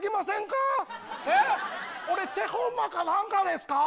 俺チェ・ホンマンか何かですか？